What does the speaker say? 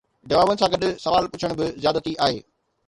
جوابن سان گڏ سوال پڇڻ به زيادتي آهي